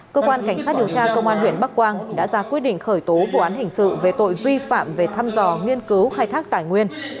cơ quan cảnh sát điều tra công an huyện bắc quang đã ra quyết định khởi tố vụ án hình sự về tội vi phạm về thăm dò nghiên cứu khai thác tài nguyên